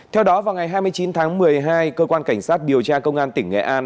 theo đó vào ngày hai mươi chín tháng một mươi hai cơ quan cảnh sát điều tra công an tỉnh nghệ an